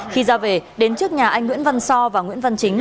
khi ra về đến trước nhà anh nguyễn văn so và nguyễn văn chính